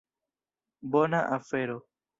Bona afero.